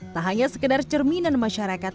tak hanya sekedar cerminan masyarakat